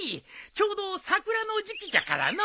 ちょうど桜の時季じゃからの。